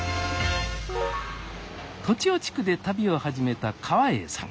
栃尾地区で旅を始めた川栄さん。